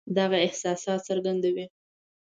دغه احساسات څرګندوي.